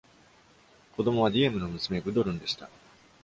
子供はディエムの娘、グドルンでした。